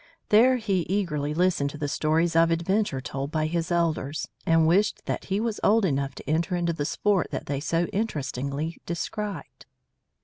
There he eagerly listened to the stories of adventure told by his elders, and wished that he was old enough to enter into the sports that they so interestingly described.